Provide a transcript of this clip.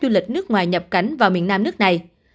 du lịch nước ngoài nhập cảnh vào miền nam nước này